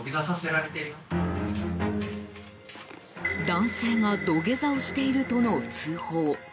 男性が土下座をしているとの通報。